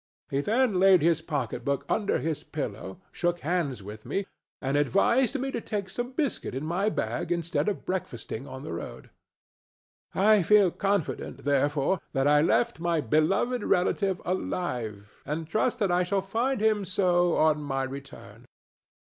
He then laid his pocketbook under his pillow, shook hands with me, and advised me to take some biscuit in my bag instead of breakfasting on the road. I feel confident, therefore, that I left my beloved relative alive, and trust that I shall find him so on my return."